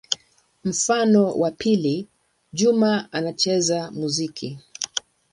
Mfano wa pili: Juma anacheza muziki.